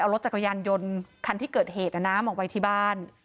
รถจักรยานยนต์คันที่เกิดเหตุน้ำมาไว้ที่บ้าน